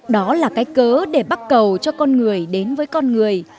đó là cái cớ để bắt cầu cho con người đến với con người